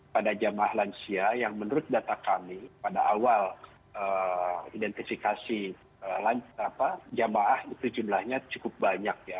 pada jamaah lansia yang menurut data kami pada awal identifikasi jamaah itu jumlahnya cukup banyak ya